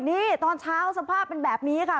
นี่ตอนเช้าสภาพเป็นแบบนี้ค่ะ